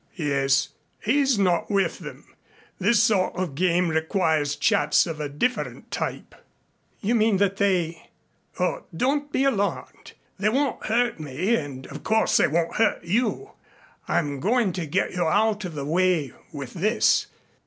"Yes. He's not with them. This sort of game requires chaps of a different type." "You mean that they " "Oh, don't be alarmed. They won't hurt me and of course they won't hurt you. I'm going to get you out of the way with this.